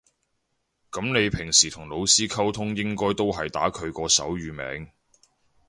噉你平時同老師溝通應該都係打佢個手語名